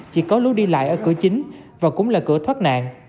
chỉ có lối đi lại ở cửa chính và cũng là cửa thoát nạn